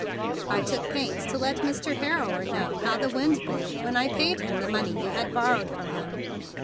"I took pains to let Mr. Harrower know how the wind blew when I paid him the money you had borrowed from him.